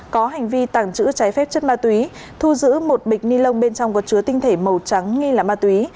có hành vi tàng trữ trái phép chất ma túy thu giữ một bịch ni lông bên trong có chứa tinh thể màu trắng nghi là ma túy